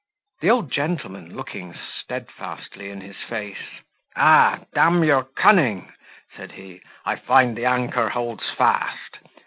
The old gentleman, looking steadfastly in his face, "Ah! D n your cunning!" said he, "I find the anchor holds fast!